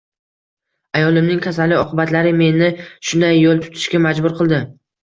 Ayolimning kasali oqibatlari meni shunday yo‘l tutishga majbur qildi.